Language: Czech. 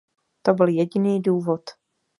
To byl jediný důvod.